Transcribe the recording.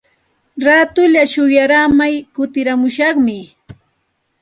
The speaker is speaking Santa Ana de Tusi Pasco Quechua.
Raatulla shuyaaramay kutiramushaqmi.